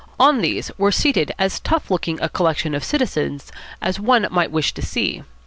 On these were seated as tough looking a collection of citizens as one might wish to see.